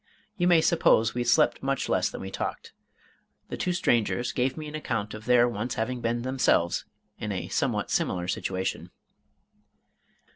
You may suppose we slept much less than we talked. The two strangers gave me an account of their once having been themselves in a somewhat similar situation.